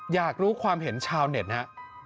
อยากรู้ความเห็นชาวเน็ตฮะ